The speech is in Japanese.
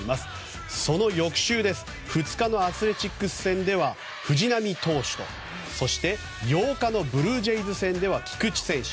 その翌週、２日のアスレチックス戦では藤浪投手と、そして８日のブルージェイズ戦では菊池選手。